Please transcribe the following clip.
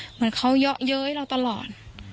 เหมือนเขาเยอะเย้ยเราตลอด